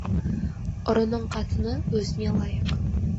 ұрының қатыны өзіне лайық.